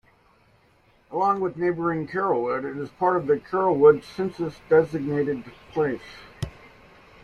Along with neighboring Carrollwood, it is part of the Carrollwood census-designated place.